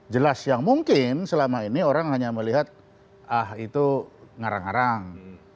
jelas yang mungkin selama ini orang hanya melihat ah itu ngarang ngarang